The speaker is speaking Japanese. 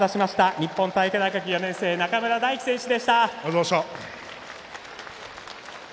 日本体育大学の中村泰輝選手でした。